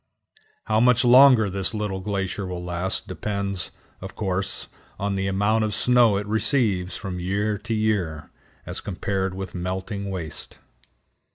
How much longer this little glacier will last depends, of course, on the amount of snow it receives from year to year, as compared with melting waste.